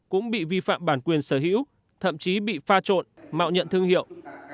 cũng bị vi phạm bản quyền sở hữu thậm chí bị pha trộn mạo nhận thương hiệu